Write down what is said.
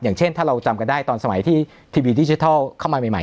อย่างเช่นถ้าเราจำกันได้ตอนสมัยที่ทีวีดิจิทัลเข้ามาใหม่